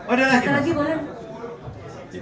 ada lagi boleh